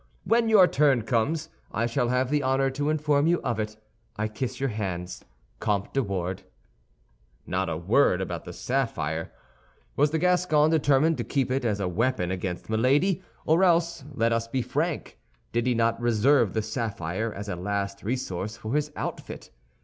When your turn comes, I shall have the honor to inform you of it. I kiss your hands. COMTE DE WARDES Not a word about the sapphire. Was the Gascon determined to keep it as a weapon against Milady, or else, let us be frank, did he not reserve the sapphire as a last resource for his outfit?